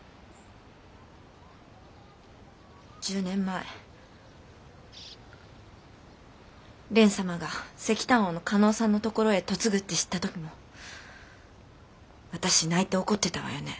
１０年前蓮様が石炭王の嘉納さんのところへ嫁ぐって知った時も私泣いて怒ってたわよね。